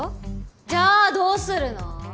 じゃあどうするの？